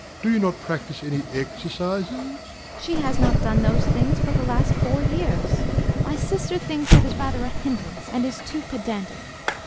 do you not practise any exercises? AUNT. She has not done those things for the last four years. My sister thinks it is rather a hindrance, and is too pedantic.